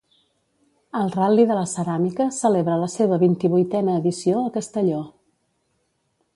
El Ral·li de la Ceràmica celebra la seva vint-i-vuitena edició a Castelló.